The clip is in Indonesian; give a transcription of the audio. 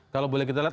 kalau boleh kita lihat